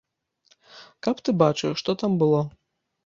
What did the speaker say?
Каб ты бачыў, што там было!